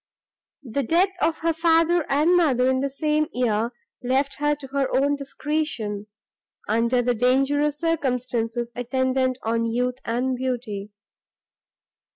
The death of her father and mother in the same year left her to her own discretion, under the dangerous circumstances attendant on youth and beauty.